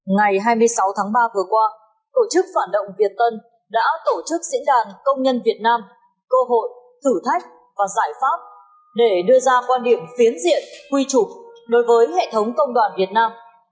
ngày hai mươi sáu tháng ba vừa qua tổ chức phản động việt tân đã tổ chức diễn đàn công nhân việt nam cơ hội thử thách và giải pháp để đưa ra quan điểm phiến diện quy trục đối với hệ thống công đoàn việt nam